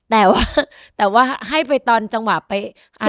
แต่ว่าให้ไปตอนจังหวะไปอันเพลง